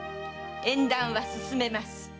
縁談は進めます。